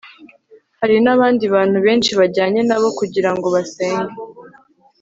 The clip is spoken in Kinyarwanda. Hari n abandi bantu benshi bajyanye na bo kugira ngo basenge